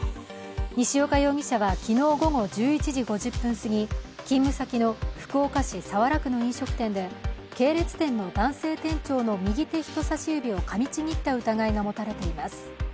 西岡容疑者は昨日午後１１時５０分すぎ、勤務先の福岡市早良区の飲食店で系列店の男性店長の右手人差し指をかちぎった疑いが持たれています